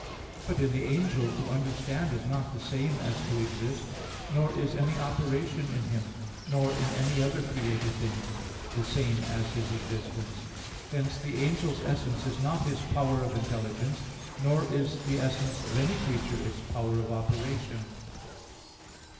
But in the angel to understand is not the same as to exist, nor is any operation in him, nor in any other created thing, the same as his existence. Hence the angel's essence is not his power of intelligence: nor is the essence of any creature its power of operation.